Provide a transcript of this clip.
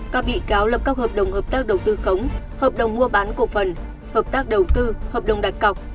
các bị cáo lập các hợp đồng hợp tác đầu tư khống hợp đồng mua bán cổ phần hợp tác đầu tư hợp đồng đặt cọc